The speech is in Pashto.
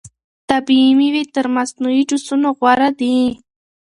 طبیعي مېوې تر مصنوعي جوسونو غوره دي.